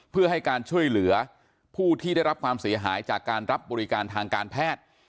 เพื่อให้การช่วยเหลือผู้ที่ได้รับความเสียหายจากการรับบริการทางการแพทย์